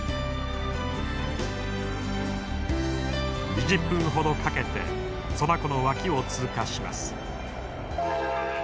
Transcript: ２０分ほどかけてツォナ湖の脇を通過します。